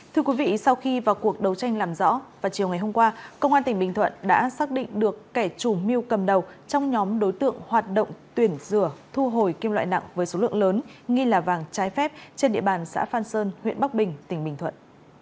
thưa quý vị sau khi vào cuộc đấu tranh làm rõ vào chiều ngày hôm qua công an tỉnh bình thuận đã xác định được kẻ chủ mưu cầm đầu trong nhóm đối tượng hoạt động tuyển rửa thu hồi kim loại nặng với số lượng lớn nghi là vàng trái phép trên địa bàn xã phan sơn huyện bắc bình tỉnh bình thuận